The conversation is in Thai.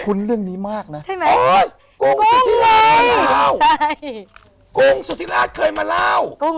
ขนเรื่องนี้มากน่ะใช่ไหมร้อยกุ้งปกติอ้าทบอลล่ะฮะใช่